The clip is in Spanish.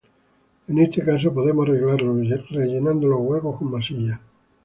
En este caso, podemos arreglarlo rellenando los huecos con masilla.